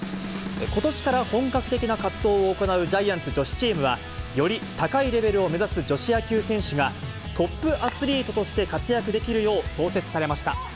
ことしから本格的な活動を行うジャイアンツ女子チームは、より高いレベルを目指す女子野球選手が、トップアスリートとして活躍できるよう創設されました。